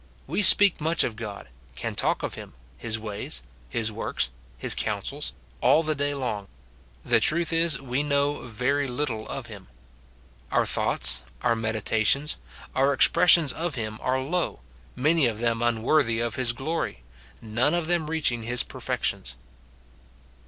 We speak much of God, can talk of him, his ways, his works, his counsels, all the day long ; the truth is, we know very little of him. Our thoughts, our meditations, our expressions of him are low, many of them unworthy of his glory, none of them reaching his perfections.